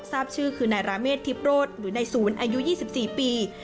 ทราบชื่อคือนายราเมฆทิพโรธหรือนายศูนย์อายุ๒๔ปี